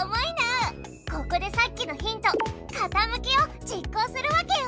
ここでさっきのヒント「かたむき」を実行するわけよ。